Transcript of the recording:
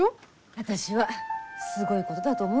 私はすごいことだと思うけどね。